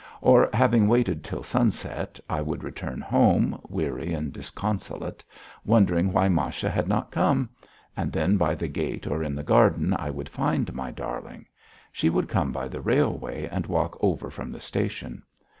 Or, having waited till sunset, I would return home, weary and disconsolate, wondering why Masha had not come, and then by the gate or in the garden I would find my darling. She would come by the railway and walk over from the station.